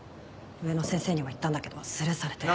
上の先生には言ったんだけどスルーされて。